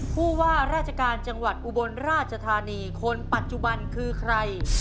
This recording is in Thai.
ผู้ว่าราชการจังหวัดอุบลราชธานีคนปัจจุบันคือใคร